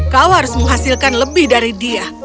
kau harus menghasilkan lebih dari dia